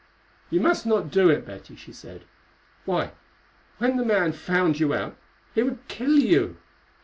"You must not do it, Betty," she said. "Why, when the man found you out, he would kill you."